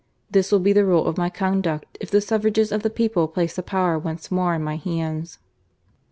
This will be the rule of my conduct if the suffrages of the people place the powet once more in my hands."